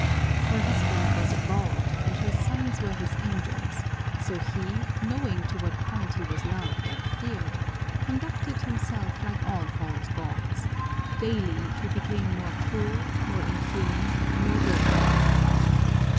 Her husband was a god and her sons were his angels, so he, knowing to what point he was loved and feared, conducted himself like all false gods: daily he became more cruel, more inhuman, more wilful.